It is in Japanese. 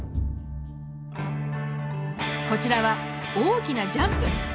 こちらは大きなジャンプ。